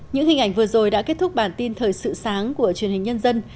những hình ảnh vừa rồi đã kết thúc bản tin thời sự sáng của truyền hình nhân dân